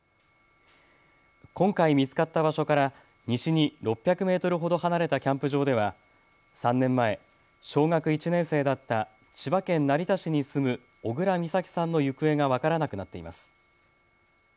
今回、見つかった場所から西に６００メートルほど離れたキャンプ場では３年前、小学１年生だった千葉県成田市に住む小倉美咲さんの行方が分からなくなっています。